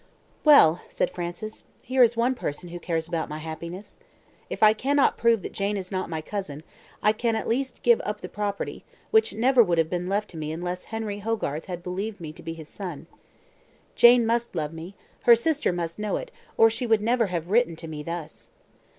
"Well," said Francis, "here is one person who cares about my happiness. If I cannot prove that Jane is not my cousin, I can at least give up the property, which never would have been left to me unless Henry Hogarth had believed me to be his son. Jane must love me her sister must know it, or she would never have written to me thus.